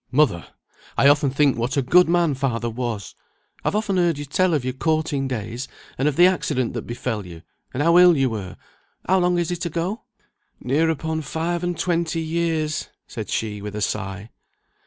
"Mother! I often think what a good man father was! I've often heard you tell of your courting days; and of the accident that befell you, and how ill you were. How long is it ago?" "Near upon five and twenty years," said she, with a sigh.